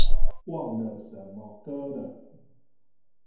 忘了什麼歌了